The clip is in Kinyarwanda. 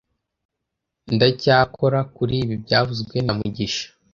Ndacyakora kuri ibi byavuzwe na mugisha